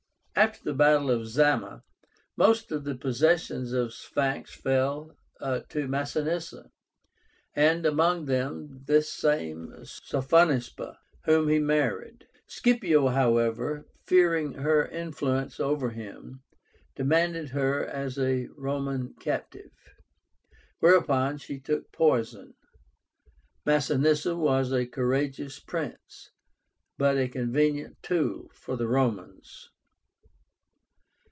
After the battle of Zama, most of the possessions of Syphax fell to Masinissa, and among them this same Sophonisba, whom he married. Scipio, however, fearing her influence over him, demanded her as a Roman captive, whereupon she took poison. Masinissa was a courageous prince, but a convenient tool for the Romans.